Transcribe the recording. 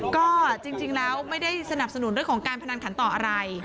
ก็จริงแล้วไม่ได้สนับสนุนเรื่องของการพนันขันต่ออะไร